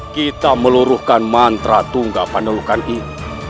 kita meluruhkan mantra tunggapan lelukan ini